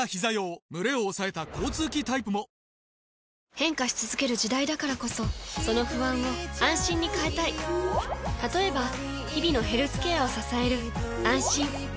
変化し続ける時代だからこそその不安を「あんしん」に変えたい例えば日々のヘルスケアを支える「あんしん」